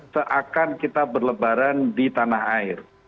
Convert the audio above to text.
seakan kita berlebaran di tanah air